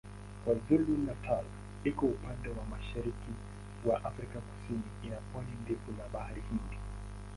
KwaZulu-Natal iko upande wa mashariki wa Afrika Kusini ina pwani ndefu la Bahari Hindi.